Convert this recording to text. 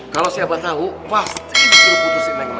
kalau siapa tau pasti dikutusin sama dia